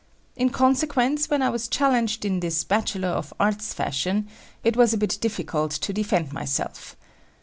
In consequence, when I was challenged in this Bachelor of Arts fashion, it was a bit difficult to defend myself.